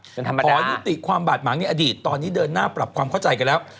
ทำไมขอยุติความบาดหมางในอดีตตอนนี้เดินหน้าปรับความเข้าใจกันแล้ว